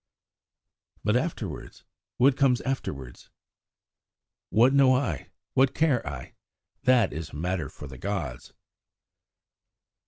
"But afterwards? What comes afterwards?" "What know I? What care I? That is a matter for the gods."